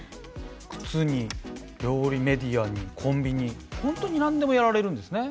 靴に料理メディアにコンビニ本当に何でもやられるんですね。